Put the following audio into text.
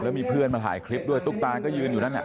แล้วมีเพื่อนมาถ่ายคลิปด้วยตุ๊กตาก็ยืนอยู่นั่น